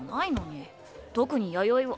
特に弥生は。